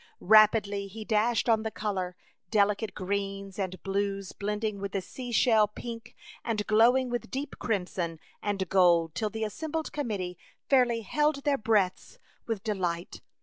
Rapidly he dashed on the color, deli cate greens, and blues blending with the sea shell pink, and glowing with deep crimson and gold, till the as sembled committee fairly held their breaths with delight.